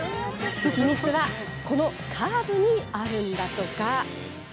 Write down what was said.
秘密はこのカーブにあるんだとか。